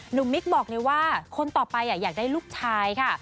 มิกบอกเลยว่าคนต่อไปอยากได้ลูกชายค่ะ